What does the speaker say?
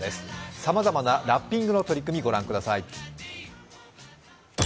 さまざまなラッピングの取り組み、ご覧ください。